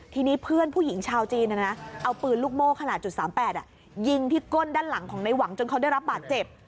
ทีนี้เพื่อนผู้หญิงชาวจีนเอาปืนลูกโม่ขนาด๓๘ยิงที่ก้นด้านหลังของในหวังจนเขาได้รับบาดเจ็บ